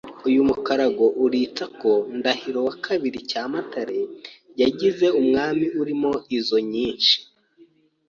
Uyu mukarago uritsa ko Ndahiro II yamatare yagize uwami urimo iiazo yinshi: